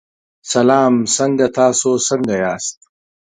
سلام څنګه تاسو څنګه یاست.